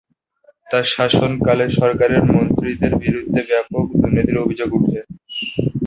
তার শাসনকালে সরকারের মন্ত্রীদের বিরুদ্ধে ব্যাপক দুর্নীতির অভিযোগ ওঠে।